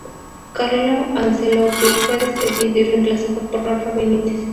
Carlo Ancelotti fue despedido y reemplazado por Rafa Benítez.